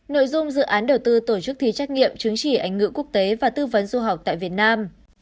nội dung dự án đầu tư tổ chức thi trách nhiệm chứng chỉ anh ngữ quốc tế và tư vấn du học tại việt nam